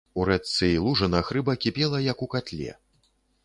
У рэчцы і лужынах рыба кіпела, як у катле.